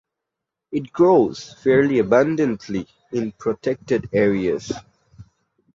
It grows fairly abundantly in protected areas.